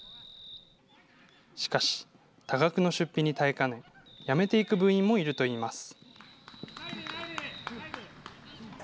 しかし、多額の出費に耐えかね、辞めていく部員もいるといいます。